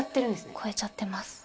超えちゃってます。